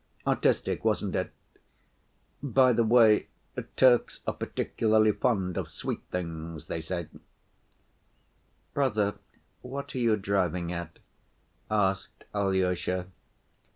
Artistic, wasn't it? By the way, Turks are particularly fond of sweet things, they say." "Brother, what are you driving at?" asked Alyosha.